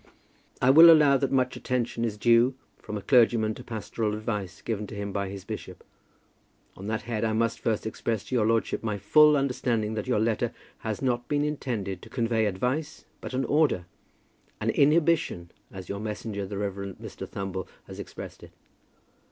I will allow that much attention is due from a clergyman to pastoral advice given to him by his bishop. On that head I must first express to your lordship my full understanding that your letter has not been intended to convey advice, but an order; an inhibition, as your messenger, the Reverend Mr. Thumble, has expressed it.